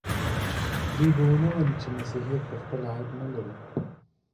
دوی به ونه مني چې مسیحیت پخپله عیب نه لري.